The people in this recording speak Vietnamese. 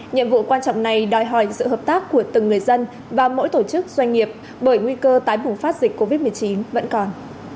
nhiệm vụ quan trọng này đòi hỏi sự hợp tác của từng người dân và mỗi tổ chức doanh nghiệp bởi nguy cơ tái bùng phát dịch covid một mươi chín vẫn còn